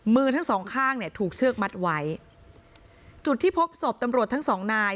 มือทั้งสองข้างเนี่ยถูกเชือกมัดไว้จุดที่พบศพตำรวจทั้งสองนาย